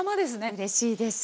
うれしいです。